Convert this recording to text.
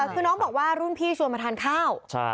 คือน้องบอกว่ารุ่นพี่ชวนมาทานข้าว